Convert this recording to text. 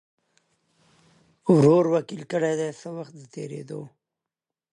ورور وکیل کړي دی څه وخت د تېریدو